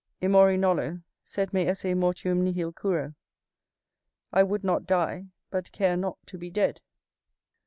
"Emori nolo, sed me esse mortuum nihil curo;" I would not die, but care not to be dead.